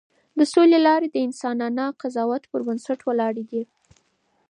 د سولې لارې د انسانانه قضاوت پر بنسټ ولاړې دي.